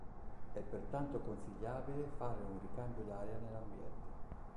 È pertanto consigliabile fare un ricambio d'aria nell'ambiente.